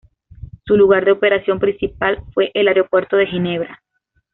Su lugar de operación principal fue el Aeropuerto de Ginebra.